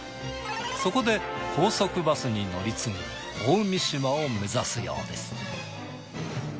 そこで高速バスに乗り継ぎ大三島を目指すようです。